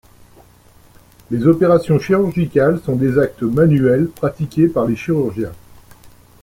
Les opérations chirurgicales sont des actes manuels pratiqués par les chirurgiens.